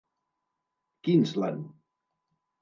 Queensland.